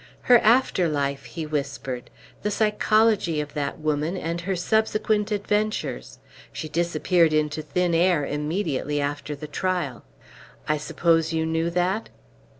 "Her after life," he whispered; "the psychology of that woman, and her subsequent adventures! She disappeared into thin air immediately after the trial. I suppose you knew that?"